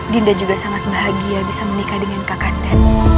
dinda juga sangat bahagia bisa menikah dengan kakanda